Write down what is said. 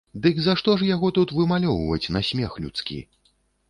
Дык за што ж яго тут вымалёўваць на смех людскі?